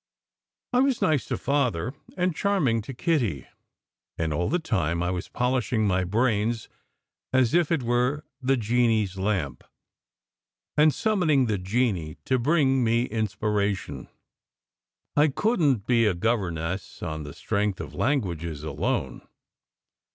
I was nice to Father and charming to Kitty, and all the time I was polishing my brain as if it were the genie s lamp, and summoning the genie to bring me inspiration. I SECRET HISTORY 205 couldn t be a governess on the strength of languages alone.